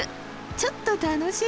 ちょっと楽しい！